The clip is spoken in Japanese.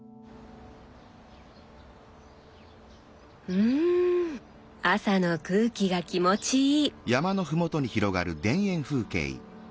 うん朝の空気が気持ちいい。